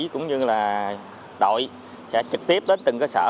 cũng như là đội sẽ trực tiếp đến từng cơ sở